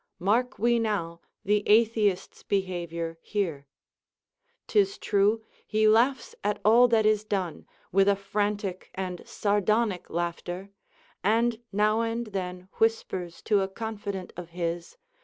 Mark we now the atheist's behavior here. 'Tis true, he laughs at all that is done, with a frantic and sardonic laughter, and now and then whispers to a confidant of his.